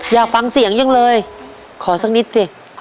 อยากฟังเสียงจังเลยขอสักนิดสิ